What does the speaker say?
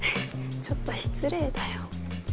ちょっと失礼だよ。